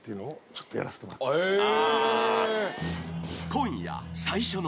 ［今夜］